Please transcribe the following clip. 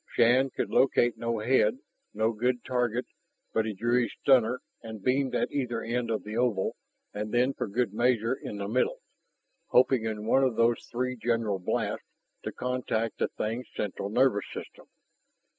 Shann could locate no head, no good target. But he drew his stunner and beamed at either end of the oval, and then, for good measure, in the middle, hoping in one of those three general blasts to contact the thing's central nervous system.